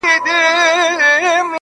ستا دي په یاد وي چي دا ښکلی وطن،